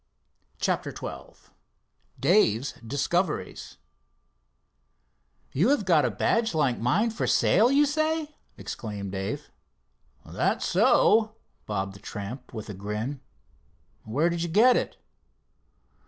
CHAPTER XII DAVE'S DISCOVERIES "You have got a badge like mine for sale, you say?" exclaimed Dave. "That's so," bobbed the tramp with a grin. "Where did you get it?"